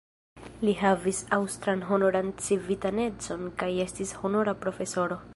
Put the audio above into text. Li havis aŭstran honoran civitanecon kaj estis honora profesoro.